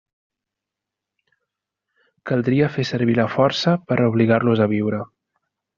Caldria fer servir la força per a obligar-los a viure.